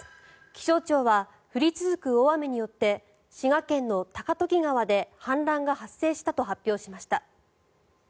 気象庁は降り続く大雨によって滋賀県の高時川で氾濫が発生したと発表しました。